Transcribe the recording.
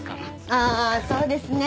ああそうですね。